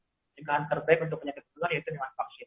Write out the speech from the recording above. jadi penjagaan terbaik untuk penyakit pula yaitu dengan vaksin